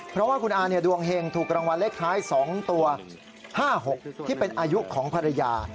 เพราะว่าคุณอาดวงเห็งถูกรางวัลเลขท้าย๒ตัว๕๖ที่เป็นอายุของภรรยา